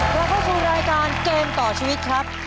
เราเข้าสู่รายการเกมต่อชีวิตครับ